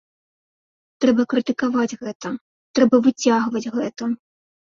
Трэба крытыкаваць гэта, трэба выцягваць гэта.